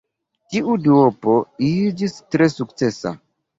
Tiu duopo iĝis tre sukcesa.